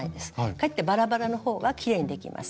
かえってバラバラのほうがきれいにできます。